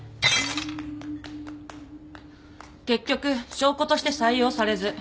結局証拠として採用されず。